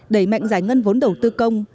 đẩy mạnh giải ngân vốn đầu tư công